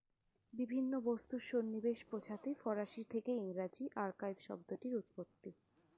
বিভিন্ন বস্ত্তর সন্নিবেশ বোঝাতে ফরাসি থেকে ইংরেজি ‘আর্কাইভ’ শব্দটির উৎপত্তি।